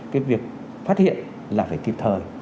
cái việc phát hiện là phải kịp thời